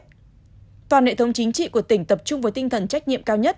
đặc biệt toàn hệ thống chính trị của tỉnh tập trung với tinh thần trách nhiệm cao nhất